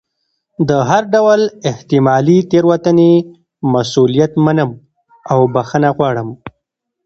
د هر ډول احتمالي تېروتنې مسؤلیت منم او بښنه غواړم.